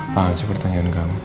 apaan sih pertanyaan kamu